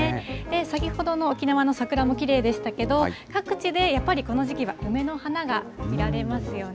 先ほどの沖縄の桜もきれいでしたけど、各地でやっぱりこの時期は梅の花が見られますよね。